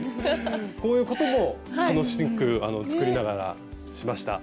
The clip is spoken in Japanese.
こういうことも楽しく作りながらしました。